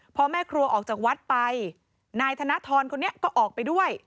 พอแม่ครัวออกจากวัดไปนายธนทรคนนี้ก็ออกไปด้วย